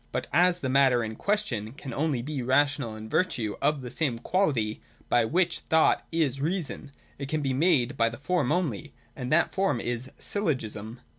But as the matter in question can only be rational in virtue of the same quality by which thought is reason, it can be made so by the form only : and that form is Syllogism.